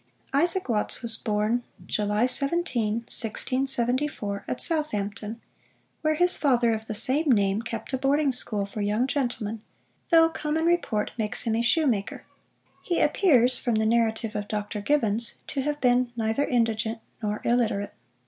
ISAAC WATTS was born July 17, 1674, at Southampton, where his father of the same name, kept a boarding school for young gentlemen, though common report makes him a shoe maker. He appears, from the narrative of Dr. Gibbons, to have been neither indigent nor illiterate.